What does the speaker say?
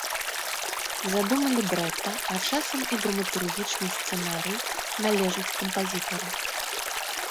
Задума лібрэта, а часам і драматургічны сцэнарый належаць кампазітару.